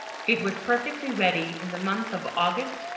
It was perfectly ready in the month of Au gust, 1679.